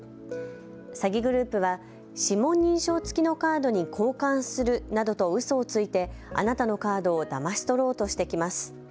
詐欺グループは指紋認証付きのカードに交換するなどとうそをついてあなたのカードをだまし取ろうとしてきます。